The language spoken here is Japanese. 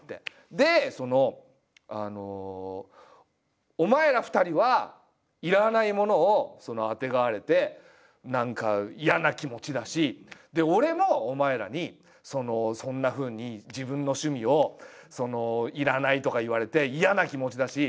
で「お前ら２人は要らないものをあてがわれて何か嫌な気持ちだし俺もお前らにそんなふうに自分の趣味を『要らない』とか言われて嫌な気持ちだし。